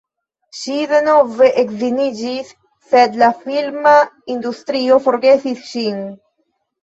Ŝi denove edziniĝis sed la filma industrio forgesis ŝin.